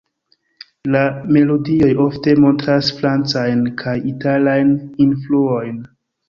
La melodioj ofte montras Francajn kaj Italajn influojn.